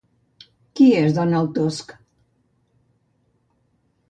Qui és Donald Tusk?